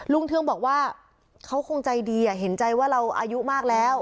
เทืองบอกว่าเขาคงใจดีเห็นใจว่าเราอายุมากแล้ว